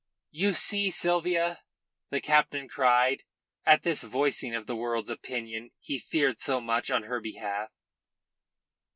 "You see, Sylvia," the captain cried, at this voicing of the world's opinion he feared so much on her behalf.